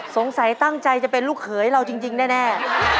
สงสัยตั้งใจจะเป็นลูกเขยเราจริงแน่